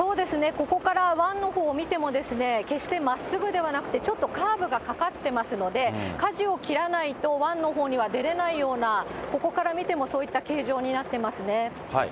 ここから湾のほうを見ても、決してまっすぐではなくて、ちょっとカーブがかかってますので、かじを切らないと、湾のほうには出れないような、ここから見ても、そういった形状になってますね。